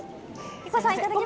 ヒコさんいただきます